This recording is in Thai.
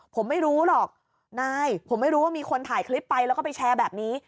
ผมไม่รู้หรอกนายผมไม่รู้ว่ามีคนถ่ายคลิปไปแล้วก็ไปแชร์แบบนี้